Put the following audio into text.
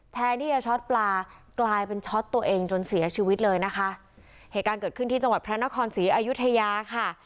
แทนที่จะช็อตปลากลายเป็นช็อตตัวเองจนเสียชีวิตเลยนะคะเหตุการณ์เกิดขึ้นที่จังหวัดพระนครศรีอายุทยาค่ะ